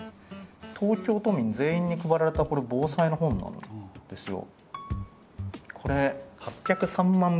東京都民全員に配られた防災の本なんですよ。